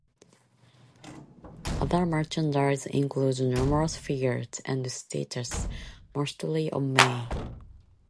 Other merchandise includes numerous figures and statues, mostly of Mai.